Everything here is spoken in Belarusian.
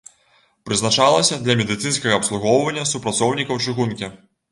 Прызначалася для медыцынскага абслугоўвання супрацоўнікаў чыгункі.